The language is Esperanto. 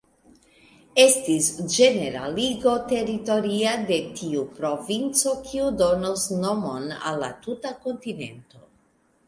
Estis ĝeneraligo teritoria de tiu provinco kio donos nomon al la tuta kontinento.